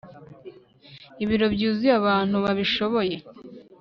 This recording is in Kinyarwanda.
ibiro byuzuye abantu babishoboye